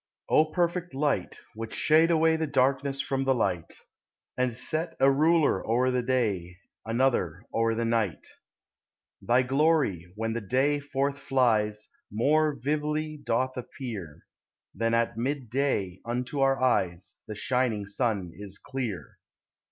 perfect Light, which shaid away The darkness from the light, And set a ruler o'er the day. Another o'er the night — Thy glory, when the day forth flies, More vively doth appear, Than at mid day unto our eyes The shining sun is clear.